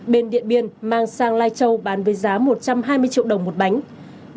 bên điện biên mang sang lai châu bán với giá một trăm hai mươi triệu đồng một bánh